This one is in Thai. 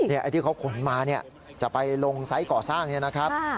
ไอ้ที่เขาขนมาจะไปลงใส่ก่อซ่างนี้นะครับ